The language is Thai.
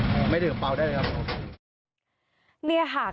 ผมไม่ดื่มเปล่าได้เลยครับ